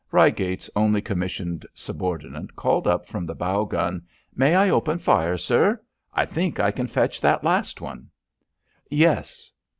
Reigate's only commissioned subordinate called up from the bow gun. "May I open fire, sir? I think I can fetch that last one." "Yes."